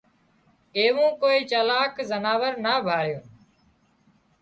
ايوون ڪوئي چالاڪ زناور نا ڀاۯيون